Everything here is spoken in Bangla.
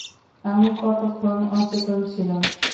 আমি কতক্ষণ অচেতন ছিলাম?